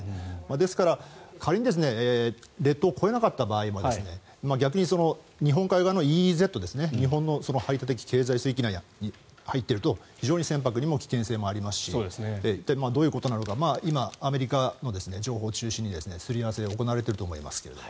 ですから、仮に列島を越えなかった場合も逆に日本海側のＥＥＺですね日本の排他的経済水域内に入っていると非常に船舶にも危険がありますし今、どういうことなのか今、アメリカの情報を中心にすり合わせが行われていると思いますが。